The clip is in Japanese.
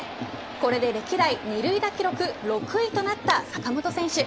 これで歴代二塁打記録６位となった坂本選手。